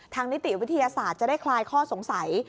นิติวิทยาศาสตร์จะได้คลายข้อสงสัย